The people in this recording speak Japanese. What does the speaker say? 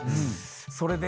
それで。